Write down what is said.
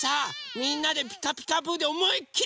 みんなで「ピカピカブ！」でおもいっきり